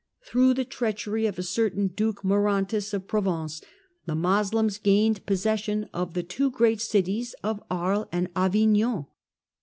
Through the treachery of a certain Duke Maurontus, of Provence, the Moslems gained possession of the two great cities of Aries and Avignon.